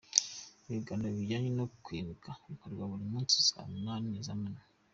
Ibiganiro bijyanye no kwibuka bikorwa buri munsi saa munani z’amanywa.